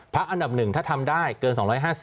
พักอันดับหนึ่งถ้าทำได้เกิน๒๕๐